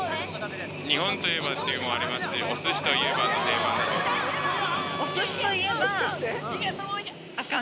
日本といえばっていうのありますし、おすしといえば、赤身。